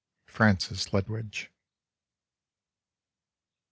Francis Ledwidge.